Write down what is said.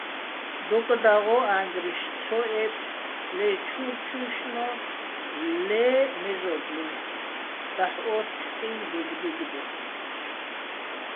დოკ დაღო́, ა́ჼგრიშ ცო ებწო̆ ლე ჩურჩუჲშნო-ე́ ლე მეზო́ბლინ, დაჰ̦ო́თთწიჼ დუგდუგ დო.